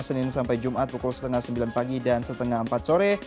senin sampai jumat pukul setengah sembilan pagi dan setengah empat sore